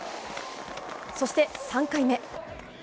そして３回目。